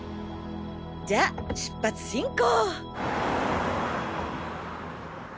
じゃあ出発進行！